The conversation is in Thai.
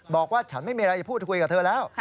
บอกว่าฉันไม่มีอะไรจะพูดคุยกับเธอแล้ว